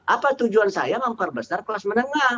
apa tujuan saya memperbesar kelas menengah